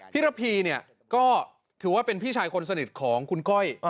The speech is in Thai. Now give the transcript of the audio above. ระพีเนี่ยก็ถือว่าเป็นพี่ชายคนสนิทของคุณก้อย